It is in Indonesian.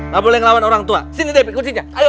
gak boleh ngelawan orang tua sini debi kuncinya ayo